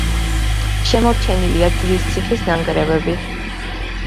შემორჩენილია ჯვარის ციხის ნანგრევები.